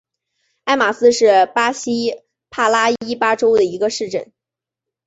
埃马斯是巴西帕拉伊巴州的一个市镇。